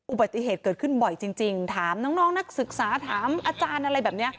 อุบัติเหตุเกิดขึ้นบ่อยจริงถามน้องนักศึกษาถามอาจารย์อะไรแบบนี้